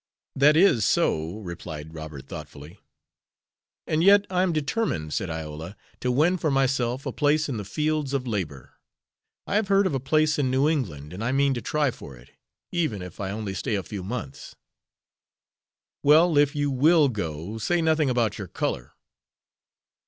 "That is so," replied Robert, thoughtfully. "And yet I am determined," said Iola, "to win for myself a place in the fields of labor. I have heard of a place in New England, and I mean to try for it, even if I only stay a few months." "Well, if you will go, say nothing about your color."